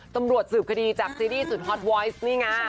ตำรวจสืบคดีจากซีรีส์สุดฮอตวอยซ์นี่ไง